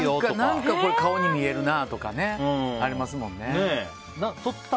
何か顔に見えるなとかねありますもんね。